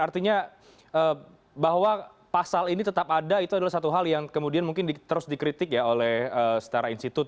artinya bahwa pasal ini tetap ada itu adalah satu hal yang kemudian mungkin terus dikritik ya oleh setara institut